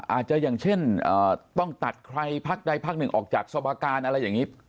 อย่างเช่นต้องตัดใครพักใดพักหนึ่งออกจากสวการอะไรอย่างนี้